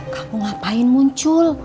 kamu ngapain muncul